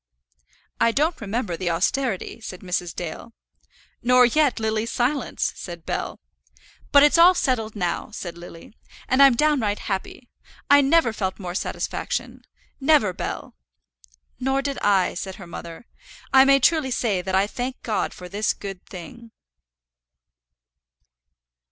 "I don't remember the austerity," said Mrs. Dale. "Nor yet Lily's silence," said Bell. "But it's all settled now," said Lily, "and I'm downright happy. I never felt more satisfaction, never, Bell!" "Nor did I," said her mother; "I may truly say that I thank God for this good thing."